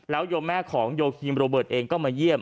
โยมแม่ของโยคีมโรเบิร์ตเองก็มาเยี่ยม